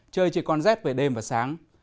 trời chỉ còn rét về đêm và sáng